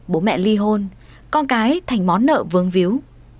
bố mẹ ly hôn con cái thành món nợ vướng víu